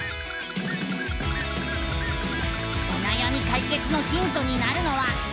おなやみかいけつのヒントになるのは。